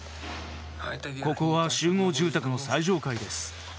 ここは集合住宅の最上階です。